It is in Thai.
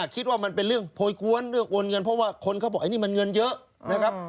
คิดว่ามันเป็นเรื่องโพยกว้นเพราะว่าคนเขาบอกนี่มันเงินเยอะนะครับ